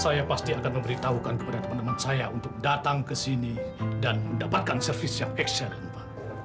saya pasti akan memberitahukan kepada teman teman saya untuk datang ke sini dan mendapatkan servis yang luar biasa pak